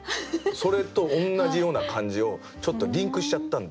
それと同じような感じをちょっとリンクしちゃったんで。